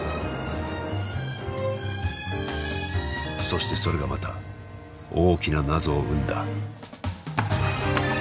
そしてそれがまた大きな謎を生んだ。